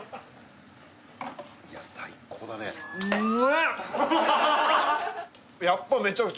いや最高だねうわ